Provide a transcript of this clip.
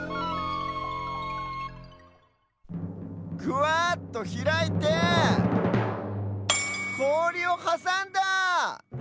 ぐわっとひらいてこおりをはさんだ！